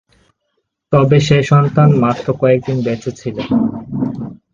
তবে সেই সন্তান মাত্র কয়েকদিন বেঁচে ছিলেন।